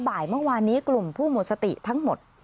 บ่ายเมื่อวานนี้กลุ่มผู้หมดสติทั้งหมด